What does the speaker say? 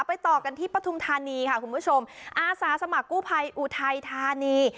ต่อกันที่ปฐุมธานีค่ะคุณผู้ชมอาสาสมัครกู้ภัยอุทัยธานี